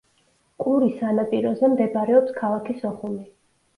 ყურის სანაპიროზე მდებარეობს ქალაქი სოხუმი.